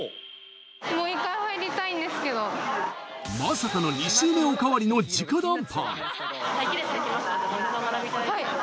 まさかの２周目おかわりの直談判